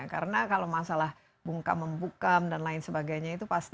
karena kalau masalah bungkam membukam dan lain sebagainya itu pasti